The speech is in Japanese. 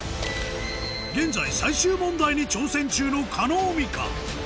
現在最終問題に挑戦中の叶美香